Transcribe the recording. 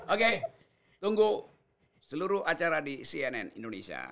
oke tunggu seluruh acara di cnn indonesia